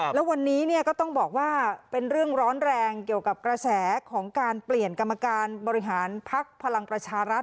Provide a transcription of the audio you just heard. แล้ววันนี้ก็ต้องบอกว่าเป็นเรื่องร้อนแรงเกี่ยวกับกระแสของการเปลี่ยนกรรมการบริหารพักพลังประชารัฐ